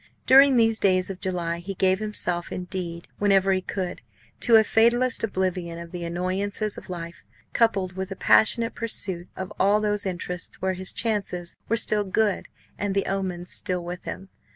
During these days of July he gave himself, indeed, whenever he could, to a fatalist oblivion of the annoyances of life, coupled with a passionate pursuit of all those interests where his chances were still good and the omens still with him.